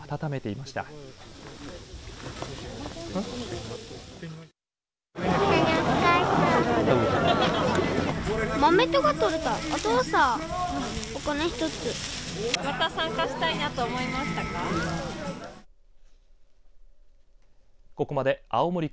また参加したいなと思いましたか。